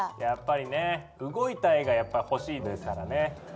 やっぱりね動いた絵がやっぱ欲しいですからね。